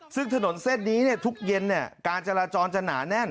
ซึ่งถนนเส้นนี้ทุกเย็นการจราจรจะหนาแน่น